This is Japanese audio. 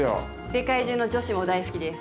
世界中の女子も大好きです。